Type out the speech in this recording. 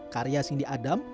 karya sindi adam